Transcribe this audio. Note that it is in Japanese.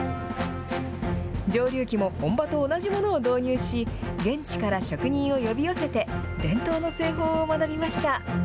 蒸留機も本場と同じものを導入し、現地から職人を呼び寄せて、伝統の製法を学びました。